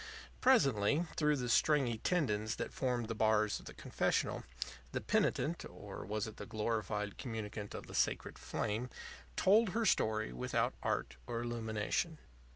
Presently, through the stringy tendons that formed the bars of the confessional, the penitent or was it the glorified communicant of the sacred flame told her story without art or illumination.